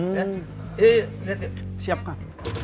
yuk yuk siapkan